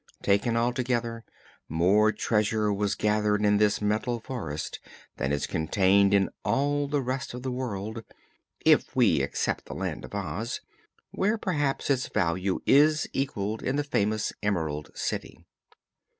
Taken all together, more treasure was gathered in this Metal Forest than is contained in all the rest of the world if we except the land of Oz, where perhaps its value is equalled in the famous Emerald City.